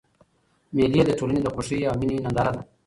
مېلې د ټولني د خوښۍ او میني ننداره ده.